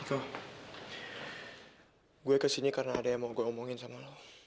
aku mau ke sini karena ada yang mau gue omongin sama lo